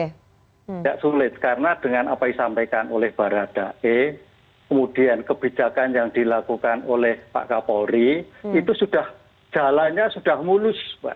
tidak sulit karena dengan apa yang disampaikan oleh baradae kemudian kebijakan yang dilakukan oleh pak kapolri itu sudah jalannya sudah mulus pak